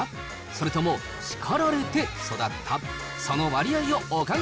それとも叱られて育った？